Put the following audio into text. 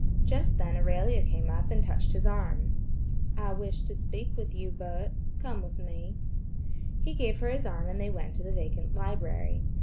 Just then Aurelia came up to him and touched his arm. "I wish to speak with you, Bert, come with me." He gave her his arm and they went to the vacant library.